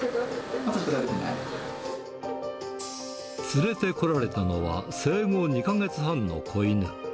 連れてこられたのは、生後２か月半の子犬。